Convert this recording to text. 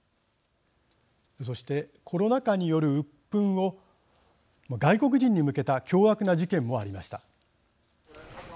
そして、コロナ禍によるうっぷんを外国人に向けた凶悪な事件もありました。